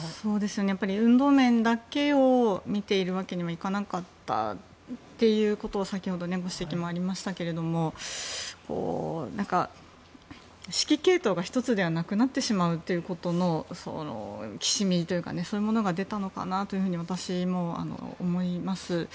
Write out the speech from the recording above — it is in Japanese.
やっぱり運動面だけを見ているわけにはいかなかったということを先ほどご指摘もありましたけども指揮系統が１つではなくなってしまうということのきしみというかそういうものが出たのかなと私も思います。